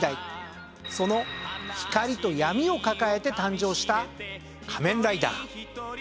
その光と闇を抱えて誕生した『仮面ライダー』。